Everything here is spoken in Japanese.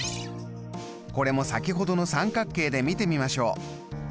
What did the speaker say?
これも先ほどの三角形で見てみましょう。